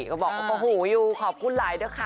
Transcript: ก็บอกโอ้โหยูขอบคุณหลายด้วยค่ะ